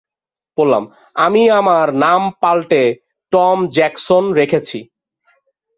আমি আমার নাম পাল্টে টম জ্যাকসন রেখেছি।